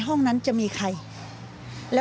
ห้องนั้นจะมีใคร